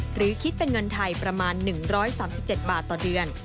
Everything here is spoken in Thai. หรือคิดเป็นเงินไทยประมาณ๑๓๗บาทต่อเดือน